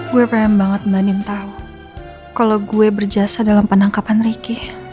gue pengen banget mbak andi tau kalau gue berjasa dalam penangkapan riki